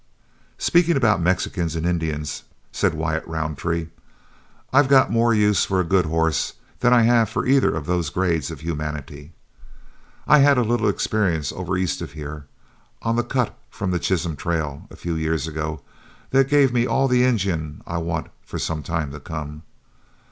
"Speaking about Mexicans and Indians," said Wyatt Roundtree, "I've got more use for a good horse than I have for either of those grades of humanity. I had a little experience over east here, on the cut off from the Chisholm trail, a few years ago, that gave me all the Injun I want for some time to come.